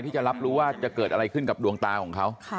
ที่จะรับรู้ว่าจะเกิดอะไรขึ้นกับดวงตาของเขา